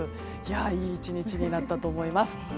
いい１日になったと思います。